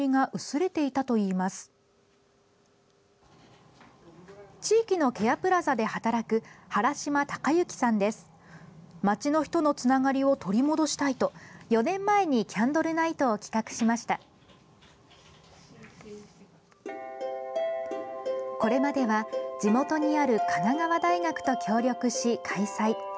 これまでは地元にある神奈川大学と協力し、開催。